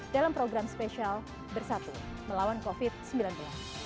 dalam program spesial bersatu melawan covid sembilan belas